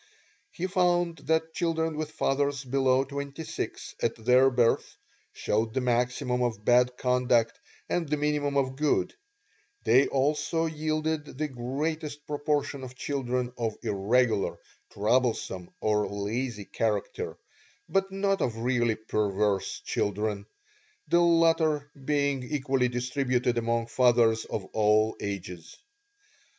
He found that children with fathers below twenty six at their birth showed the maximum of bad conduct and the minimum of good; they also yielded the greatest proportion of children of irregular, troublesome, or lazy character, but not of really perverse children the latter being equally distributed among fathers of all ages.